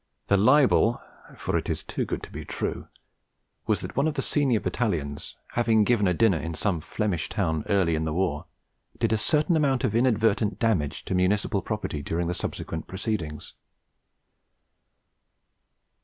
The libel, for it is too good to be true, was that one of the senior Battalions, having given a dinner in some Flemish town early in the war, did a certain amount of inadvertent damage to municipal property during the subsequent proceedings.